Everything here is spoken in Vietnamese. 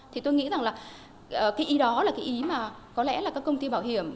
thì tôi nghĩ rằng là cái ý đó là cái ý mà có lẽ là các công ty bảo hiểm